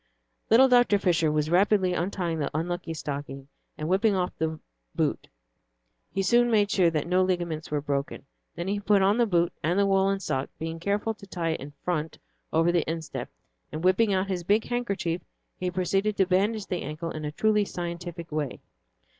Little Dr. Fisher was rapidly untying the unlucky stocking; and, whipping off the boot, he soon made sure that no ligaments were broken. Then he put on the boot and the woollen sock, being careful to tie it in front over the instep, and whipping out his big handkerchief he proceeded to bandage the ankle in a truly scientific way.